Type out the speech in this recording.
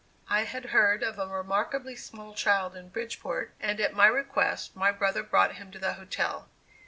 I had heard of a remarkably small child in Bridgeport, and, at my request, my brother brought him to the hotel.